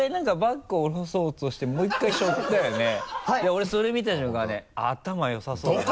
俺それ見た瞬間ね頭良さそうだなって。